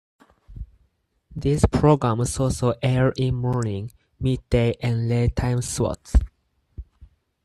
These programs also air in morning, midday and late time slots.